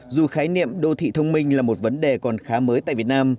dù khái niệm đô thị thông minh là một vấn đề còn khá mới tại việt nam